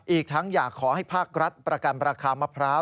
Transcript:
อีกทั้งอยากขอให้ภาครัฐประกันราคามะพร้าว